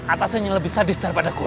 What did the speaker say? atasan yang lebih sadis daripada gue